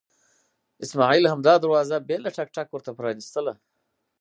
اسماعیل همدا دروازه بې له ټک ټکه ورته پرانستله.